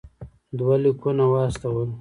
دوه لیکونه واستول.